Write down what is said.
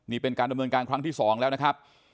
นี่เป็นการดำเนินการครั้งที่๒แล้วนะครับ